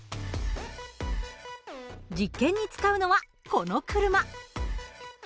実験に使うのはこの車。